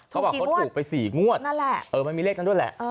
ก็ว่าเขาถูกไป๔งวดเออมันมีเลขนั้นด้วยแหละ